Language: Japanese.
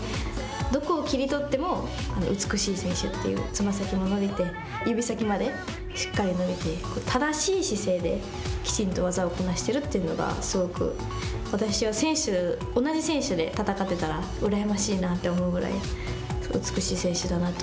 どこを切り取っても美しい選手という、つま先も伸びて、指先までしっかり伸びて、正しい姿勢できちんと技をこなしているというのが、すごく私は選手、同じ選手で戦っていたら、うらやましいなと思うぐらい、美しい選手だなと。